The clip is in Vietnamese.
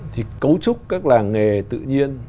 thì cấu trúc các làng nghề tự nhiên